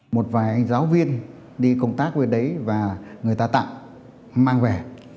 một vài giáo viên đi công tác với đấy và người ta tặng mang về